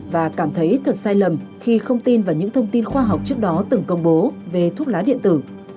và cảm thấy thật sai lầm khi không tin vào những thông tin khoa học trước đó từng công bố về thuốc lá điện tử